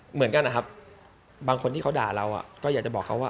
เหมือนกันนะครับบางคนที่เขาด่าเราก็อยากจะบอกเขาว่า